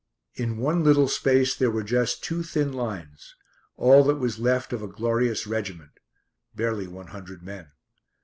In one little space there were just two thin lines all that was left of a glorious regiment (barely one hundred men).